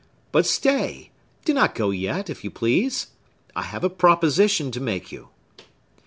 But, stay! Do not go yet, if you please! I have a proposition to make you."